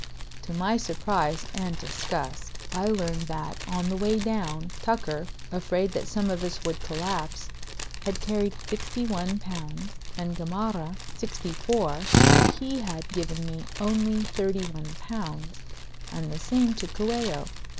To my surprise and disgust I learned that on the way down Tucker, afraid that some of us would collapse, had carried sixty one pounds, and Gamarra sixty four, while he had given me only thirty one pounds, and the same to Coello.